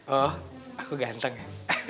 oh aku ganteng ya